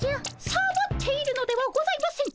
サボっているのではございません。